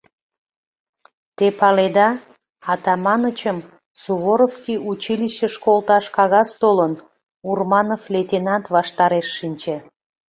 — Те паледа: Атаманычым Суворовский училищыш колташ кагаз толын, — Урманов лейтенант ваштареш шинче.